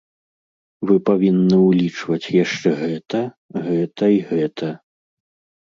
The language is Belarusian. Вы павінны ўлічваць яшчэ гэта, гэта і гэта!